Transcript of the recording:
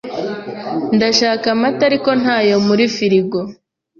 Ndashaka amata, ariko ntayo muri firigo.